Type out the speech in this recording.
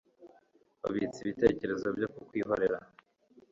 Babitse ibitekerezo byo kukwihorera.